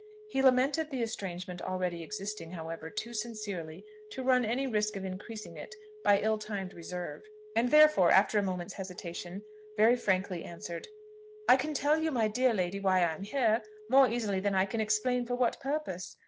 He lamented the estrangement already existing, however, too sincerely, to run any risk of increasing it by ill timed reserve, and therefore, after a moment's hesitation, very frankly answered "I can tell you, my dear lady, why I am here, more easily than I can explain for what purpose.